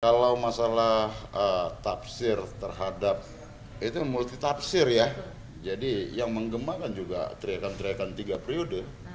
kalau masalah tafsir terhadap itu multitafsir ya jadi yang menggembangkan juga teriakan teriakan tiga periode